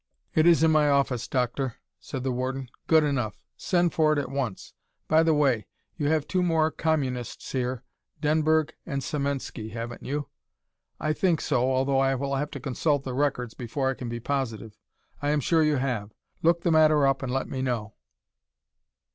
"It is in my office, Doctor," said the warden. "Good enough! Send for it at once. By the way, you have two more communists here, Denberg and Semensky, haven't you?" "I think so, although I will have to consult the records before I can be positive." "I am sure that you have. Look the matter up and let me know."